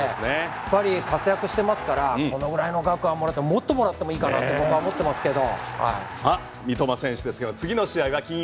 パリで活躍してますからこのぐらいの額はもっともらってもいいかなと僕は思ってますけど。